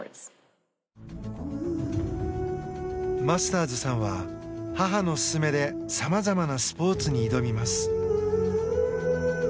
マスターズさんは母の勧めでさまざまなスポーツに挑みます。